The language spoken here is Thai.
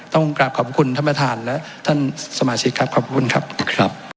ต้องกลับขอบคุณท่านประธานและท่านสมาชิกครับขอบคุณครับครับ